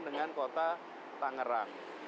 dengan kota tangerang